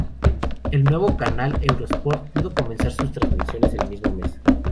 El nuevo canal Eurosport pudo comenzar sus transmisiones el mismo mes.